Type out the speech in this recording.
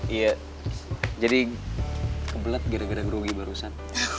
iya jadi kebelet gara gara rugi barusan